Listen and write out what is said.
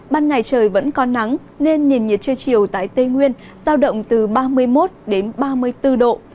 ban ngày trời vẫn còn nắng nên nền nhiệt trưa chiều tại tây nguyên giao động từ ba mươi một đến ba mươi bốn độ